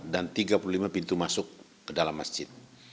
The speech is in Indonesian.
dan tiga puluh lima pintu masuk ke dalam masjid